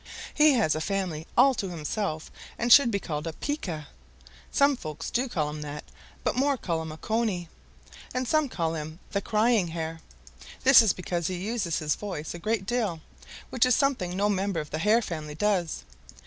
He has a family all to himself and should be called a Pika. Some folks do call him that, but more call him a Cony, and some call him the Crying Hare. This is because he uses his voice a great deal, which is something no member of the Hare family does.